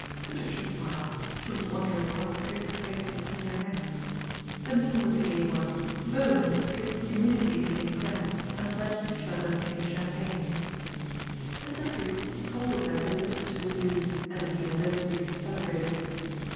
Patricia smiled. She was wondering what trick Fate would play her next. The meal was a gay one. Bowen and Mr. Triggs immediately became friends and pledged each other in champagne. 156 PATRICIA BRENT, SPINSTER Mr. Triggs told of their visit to the Zoo and oi the anniversary it celebrated.